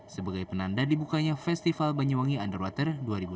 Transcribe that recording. sebagai penanda dibukanya festival banyuwangi underwater dua ribu dua puluh